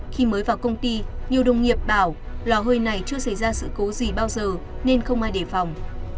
khi mới vào công ty nhiều đồng nghiệp bảo lò hơi này chưa xảy ra sự cố gì bao giờ nên không ai đề phòng